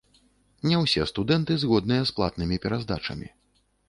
Не ўсе студэнты згодныя з платнымі пераздачамі.